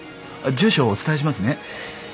住所をお伝えしますね